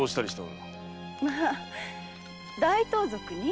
まあ大盗賊に？